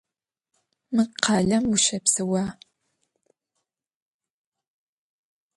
Mı khalem vuşepseua?